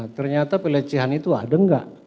ternyata plecehan itu ada enggak